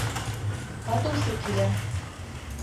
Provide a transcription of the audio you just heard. Һатыусы килә